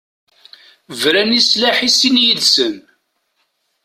Bran i slaḥ i sin yid-sen.